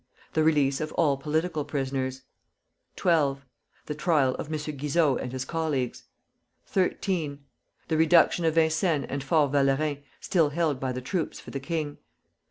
The release of all political prisoners. 12. The trial of M. Guizot and his colleagues. 13. The reduction of Vincennes and Fort Valérien, still held by the troops for the king.